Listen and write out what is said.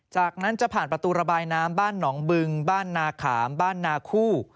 จากนั้นจะผ่านประตูระบายน้ำบ้านหนองบึงบ้านนาขามบ้านนาคู่